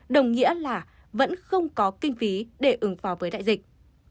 đồng nghĩa là vẫn không có kinh phí để ứng phó với đại dịch